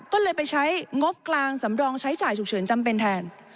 ก็เลยไปใช้งบกลางสำรองใช้จ่ายฉุกเฉินจำเป็นแทน